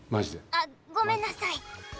あっごめんなさい！